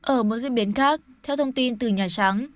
ở một diễn biến khác theo thông tin từ nhà trắng